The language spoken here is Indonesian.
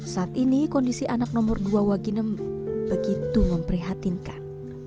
saat ini kondisi anak nomor dua waginem begitu memprihatinkan